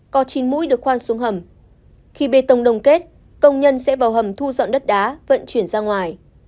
có chín mũi được khoan xuống hầm khi bê tông đồng kết công nhân sẽ vào hầm thu dọn đất đá vận chuyển ra ngoài